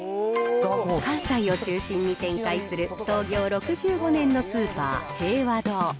関西を中心に展開する創業６５年のスーパー、平和堂。